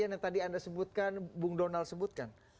seperti yang tadi anda sebutkan bung donald sebutkan